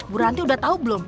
bu ranti udah tahu belum